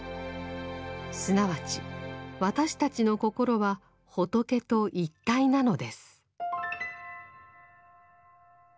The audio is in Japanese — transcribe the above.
すなわち私たちの心は仏と一体なのです。